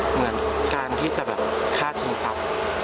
เหมือนการที่จะแบบคาดชิงซับ